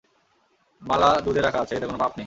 মালা দুধে রাখা আছে, এতে কোন পাপ নেই।